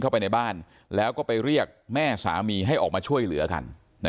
เข้าไปในบ้านแล้วก็ไปเรียกแม่สามีให้ออกมาช่วยเหลือกัน